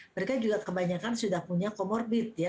mereka juga kebanyakan sudah punya comorbid ya